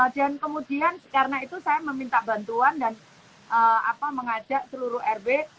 dan kemudian karena itu saya meminta bantuan dan mengajak seluruh rw